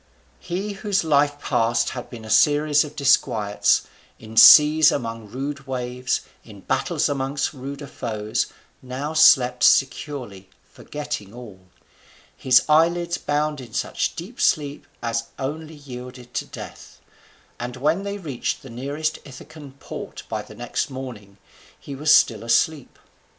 He whose life past had been a series of disquiets, in seas among rude waves, in battles amongst ruder foes, now slept securely, forgetting all; his eye lids bound in such deep sleep as only yielded to death; and when they reached the nearest Ithacan port by the next morning, he was still asleep.